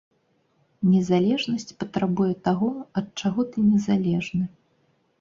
Незалежнасць патрабуе таго, ад чаго ты незалежны.